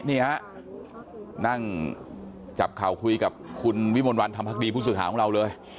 นี่ฮะนั่งจับเข่าคุยกับคุณวิมลวันธรรมพักดีผู้สื่อข่าวของเราเลย